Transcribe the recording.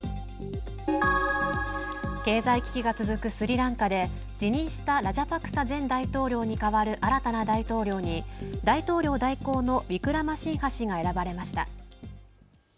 経済危機が続くスリランカで辞任したラジャパクサ前大統領に代わる新たな大統領に大統領代行のウィクラマシンハ氏が選ばれました。